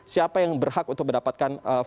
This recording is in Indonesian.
siapa yang berhak untuk mendapatkan